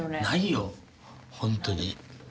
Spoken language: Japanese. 本当に。